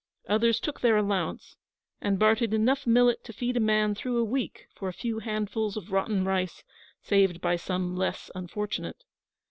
Others took their allowance, and bartered enough millet to feed a man through a week for a few handfuls of rotten rice saved by some less unfortunate.